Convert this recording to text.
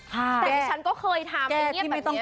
แต่ดิฉันก็เคยทำให้เงียบแบบนี้